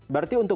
baru tadi itu